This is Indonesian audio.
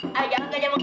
jangan gajah muka